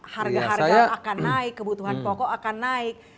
harga harga akan naik kebutuhan pokok akan naik